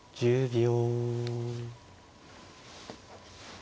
１０秒。